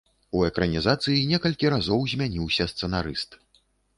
У экранізацыі некалькі разоў змяніўся сцэнарыст.